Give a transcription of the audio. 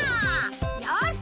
よし！